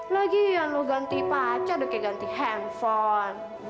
lagian lo ganti pacar udah kayak ganti handphone